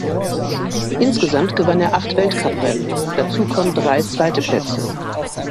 Insgesamt gewann er acht Weltcuprennen; dazu kommen drei zweite Plätze.